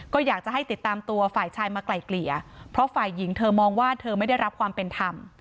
ก็อยากจะให้ติดตามตัวฝ่ายชายมาไกลเกลี่ยเพราะฝ่ายหญิงเธอมองว่าเธอไม่ได้รับความเป็นธรรม